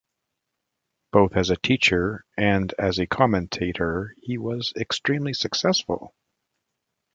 Both as a teacher and as a commentator he was extremely successful.